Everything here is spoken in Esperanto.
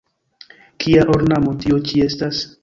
Kia ornamo tio ĉi estas?